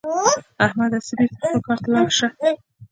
احمده؛ ځه بېرته دې خپل کار ته ولاړ شه.